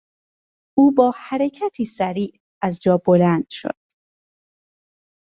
او با حرکتی سریع از جا بلند شد.